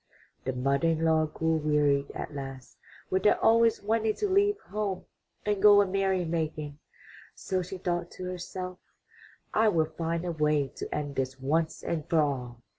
'' The mother in law grew wearied at last with their always wanting to leave home and go a merry making, so she thought to herself, ''I will find a way to end this once and for all."